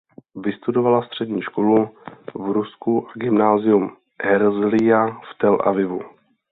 Vystudovala střední školu v Rusku a Gymnázium Herzlija v Tel Avivu.